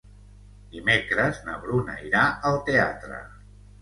Dimecres na Bruna irà al teatre.